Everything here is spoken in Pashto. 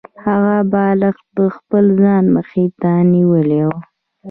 هغه بالښت د خپل ځان مخې ته نیولی و